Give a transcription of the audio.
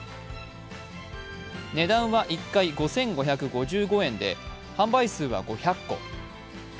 値段は１回５５５５円で販売数は５００個。